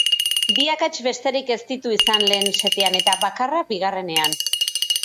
Bi akats besterik ez ditu izan lehen setean, eta bakarra bigarrenean.